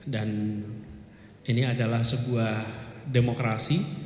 dan ini adalah sebuah demokrasi